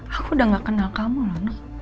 aku udah gak kenal kamu noni